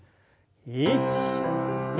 １２。